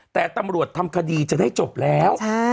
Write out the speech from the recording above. แต่ตำรวจทำคดีจะได้จบแล้ว